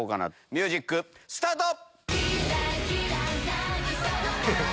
ミュージックスタート！